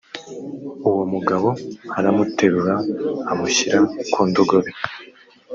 uwo mugabo aramuterura amushyira ku ndogobe